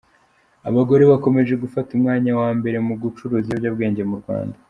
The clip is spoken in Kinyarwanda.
Abagore bakomeje gufata umwanya wa mbere mu gucuruza ibiyobyabwenge murwanda